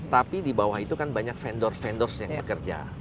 tapi di bawah itu kan banyak vendor vendorse yang bekerja